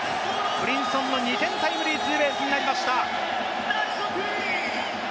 ブリンソンの２点タイムリーツーベースになりました。